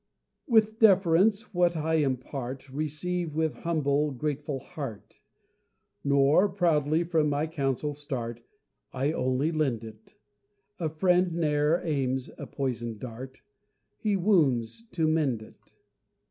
With deference, what I impart Receive with humble grateful heart, Nor proudly from my counsel start, I only lend it A friend ne'er aims a poisoned dart He wounds, to mend it.